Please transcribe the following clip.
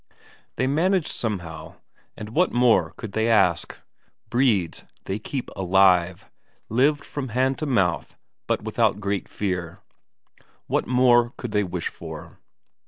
They managed somehow, and what more could they ask? Bredes, they kept alive, lived from hand to mouth, but without great fear. What more could they wish for?